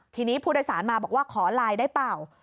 ทีนี้ผู้โดยสารมาบอกว่าขอไลน์ได้เปล่า